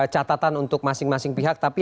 catatan untuk masing masing pihak tapi